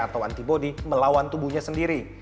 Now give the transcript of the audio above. atau antibody melawan tubuhnya sendiri